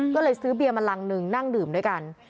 ก็เลยซื้อเบียร์มารังหนึ่งนั่งดื่มด้วยกัน